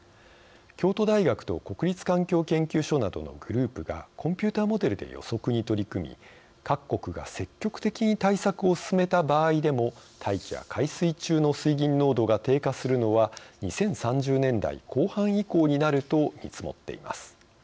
京都大学と国立環境研究所などのグループがコンピューターモデルで予測に取り組み各国が積極的に対策を進めた場合でも大気や海水中の水銀濃度が低下するのは２０３０年代、後半以降になると見積もっています。